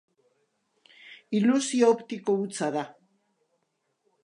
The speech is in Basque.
Ilusio optiko hutsa da.